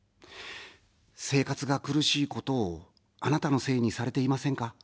生活が苦しいことを、あなたのせいにされていませんか。